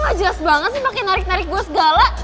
lo gak jelas banget sih pake narik narik gue segala